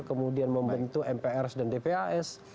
kemudian membentuk mpr dan dpas